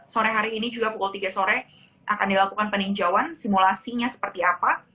sore hari ini juga pukul tiga sore akan dilakukan peninjauan simulasinya seperti apa